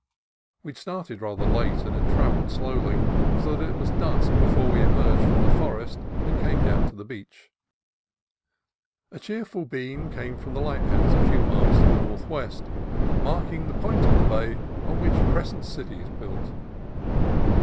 We had started rather late, and had travelled slowly, so that it was dusk before we emerged from the forest and came down to the beach. A cheerful beam came from a lighthouse a few miles to the northwest, marking the point of the bay on which Crescent City is built.